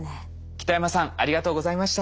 北山さんありがとうございました。